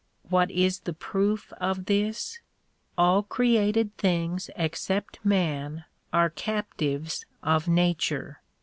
What is the proof of this ? All created things except man are captives of nature.